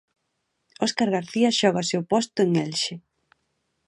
Óscar García xógase o posto en Elxe.